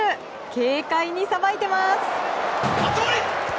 軽快にさばいてます！